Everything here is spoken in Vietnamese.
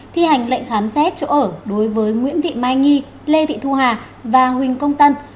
thi hành lệnh khám xét chỗ ở đối với nguyễn thị mai nhi lê thị thu hà và huỳnh công tân